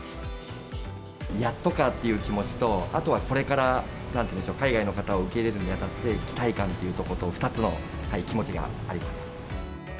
やっとかという気持ちと、あとはこれからなんて言うんでしょう、海外の方を受け入れるにあたって、期待感というところと、２つの気持ちがあります。